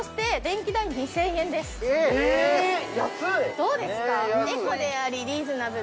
どうですか。